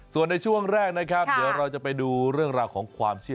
ส่วนในช่วงแรกนะครับเดี๋ยวเราจะไปดูเรื่องราวของความเชื่อ